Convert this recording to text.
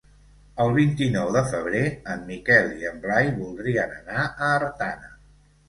El vint-i-nou de febrer en Miquel i en Blai voldrien anar a Artana.